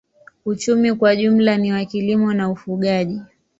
Uchumi kwa jumla ni wa kilimo na ufugaji.